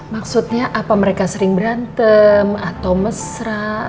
maksudnya apa mereka sering berantem atau mesra